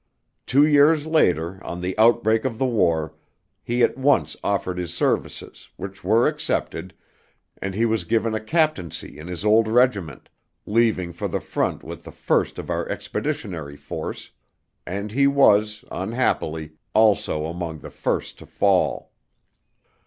Two years later, on the outbreak of the war, he at once offered his services, which were accepted, and he was given a captaincy in his old regiment, leaving for the front with the first of our Expeditionary Force, and he was, unhappily, also among the first to fall.